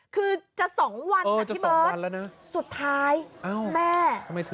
คือจะ๒วันค่ะที่เบิร์ตสุดท้ายแม่